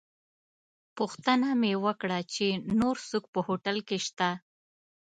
پوښتنه مې وکړه چې نور څوک په هوټل کې شته.